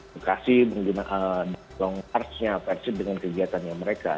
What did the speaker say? beri dukungan dengan kegiatannya mereka